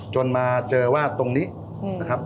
มาเจอว่าตรงนี้นะครับ